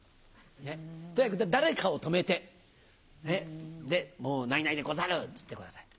とにかく誰かを止めてで「もう何々でござる」っつってください。